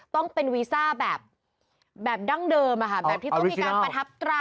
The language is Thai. ต้องเป็นวีซ่าแบบดั้งเดิมแบบที่ต้องมีการประทับตรา